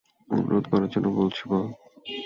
অনুরোধ করার জন্য বলছি, বল।